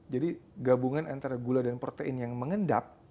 jadi gabungan antara gula dan protein yang mengendap